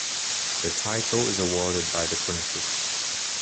The title is awarded by the country.